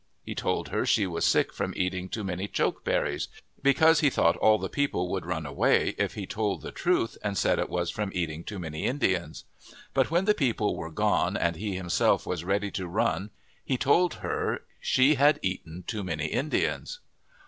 He told her she was sick from eating too many choke cherries, because he thought all the people would run away if he told the truth and said it was from eating too many Indians. But when the people were gone and he himself was ready to run he told her she had eaten too many Indians.